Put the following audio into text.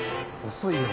遅いよ。